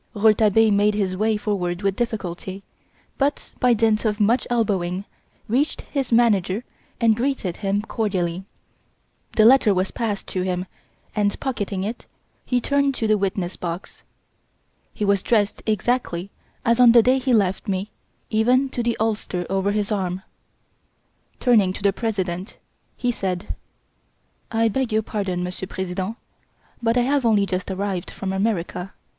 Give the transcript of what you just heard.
Rouletabille made his way forward with difficulty, but by dint of much elbowing reached his manager and greeted him cordially. The letter was passed to him and pocketing it he turned to the witness box. He was dressed exactly as on the day he left me even to the ulster over his arm. Turning to the President, he said: "I beg your pardon, Monsieur President, but I have only just arrived from America.